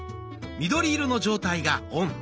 緑色の状態がオン。